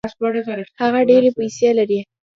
هغه ډېري پیسې لري.